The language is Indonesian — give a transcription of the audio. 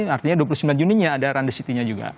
artinya dua puluh sembilan juni nya ada run the city nya juga